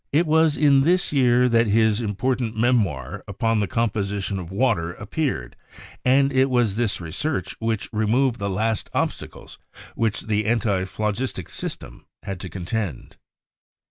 It was in this year that his important memoir upon the composition of water appeared, and it was this research which removed the last obstacles with which the antiphlo gistic system had to contend.